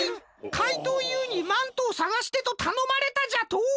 かいとうＵにマントをさがしてとたのまれたじゃと！？